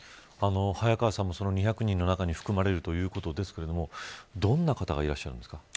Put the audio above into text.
早川さんも、その中に含まれるということですけどどんな方がいらっしゃるんですか。